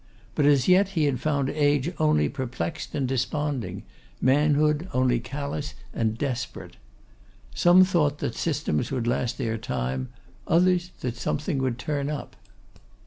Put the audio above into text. But as yet he had found age only perplexed and desponding; manhood only callous and desperate. Some thought that systems would last their time; others, that something would turn up.